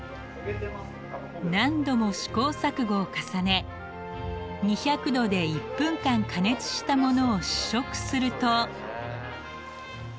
何度も試行錯誤を重ね２００℃で１分間加熱したものを試食すると。